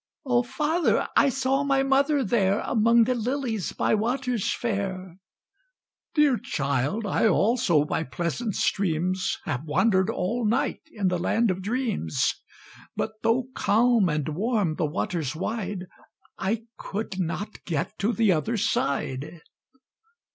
"O father! I saw my mother there, Among the lilies by waters fair." "Dear child! I also by pleasant streams Have wandered all night in the land of dreams, But, though calm and warm the waters wide I could not get to the other side."